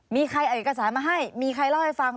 มีใครเอาเอกสารมาให้มีใครเล่าให้ฟัง